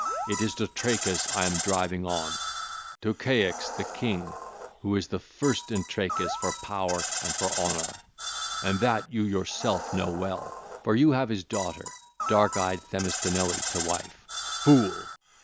It is to Trachis I am driving on, to Ceyx the king, who is the first in Trachis for power and for honour, and that you yourself know well, for you have his daughter dark eyed Themistinoe to wife. Fool!